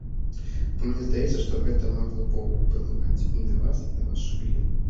Бо мне здаецца, што гэта магло паўплываць і на вас, і на вашу веру.